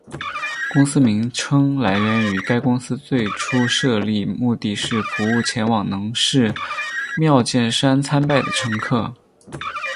公司名称来源于该公司最初设立目的是服务前往能势妙见山参拜的乘客。